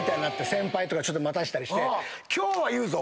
先輩とか待たせたりして。